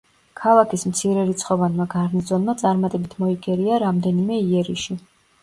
ქალაქის მცირერიცხოვანმა გარნიზონმა წარმატებით მოიგერია რამდენიმე იერიში.